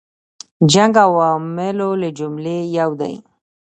جنګ عواملو له جملې یو دی.